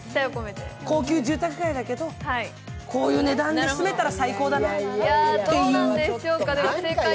高級住宅街だけどこういう値段で住めたら最高だなっていう。